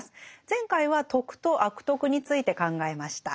前回は「徳」と「悪徳」について考えました。